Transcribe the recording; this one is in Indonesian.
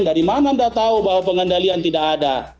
dari mana anda tahu bahwa pengendalian tidak ada